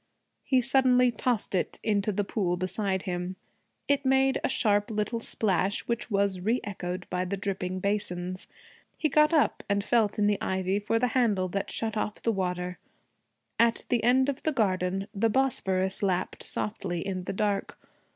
He suddenly tossed it into the pool beside him. It made a sharp little splash, which was reëchoed by the dripping basins. He got up and felt in the ivy for the handle that shut off the water. At the end of the garden the Bosphorus lapped softly in the dark.